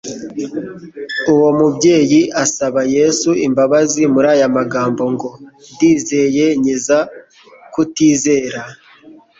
uwo mubyeyi asaba Yesu imbabazi muri aya magambo ngo :« ndizeye ! Nkiza kutizera. »